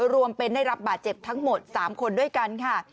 รวมเป็นได้รับบาดเจ็บทั้งหมด๓คนด้วยกันค่ะ